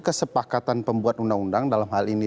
kesepakatan pembuat undang undang dalam hal ini